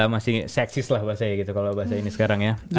masih seksis lah bahasanya gitu kalau bahasa ini sekarang ya